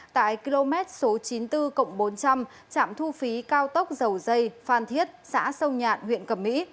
tại km số chín mươi bốn bốn trăm linh trạm thu phí cao tốc dầu dây phan thiết xã sông nhạn huyện cầm mỹ